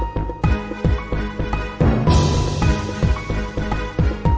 ติดตามต่อไป